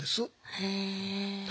へえ。